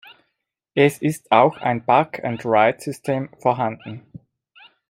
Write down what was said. Es ist auch ein Park-and-ride-System vorhanden.